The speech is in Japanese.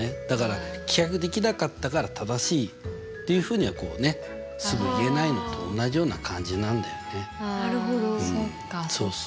だから棄却できなかったから正しいというふうにはこうねすぐ言えないのと同じような感じなんだよね。